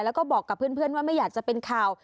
แล้วก็บอกกับเพื่อนว่าไม่อยากจะเป็นข่าว